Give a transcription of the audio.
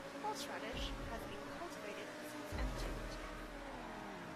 Horseradish has been cultivated since antiquity.